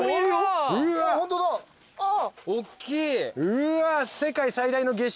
うわ！